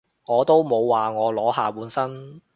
我都冇話我裸下半身